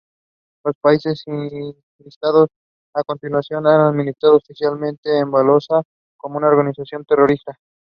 Champlin had six children.